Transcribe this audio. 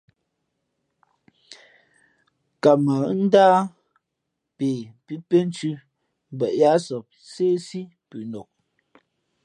Nkamα̌ ndáh pe pí phínthʉ̄ mbα yáʼsap nséhsí pʉnok.